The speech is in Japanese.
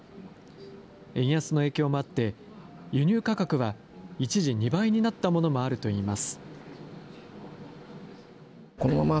円安の影響もあって、輸入価格は一時２倍になったものもあるといいます。